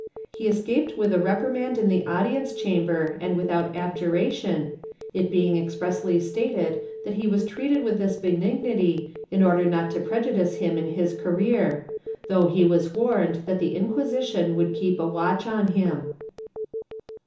He escaped with a reprimand in the audi ence chamber and without abjuration, it being expressly stated that he was treated with this benignity in order not to prejudice him in his career, though he was warned that the Inquisition would keep a watch on him.